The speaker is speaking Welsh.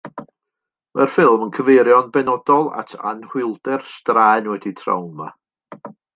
Mae'r ffilm yn cyfeirio'n benodol at Anhwylder Straen Wedi Trawma.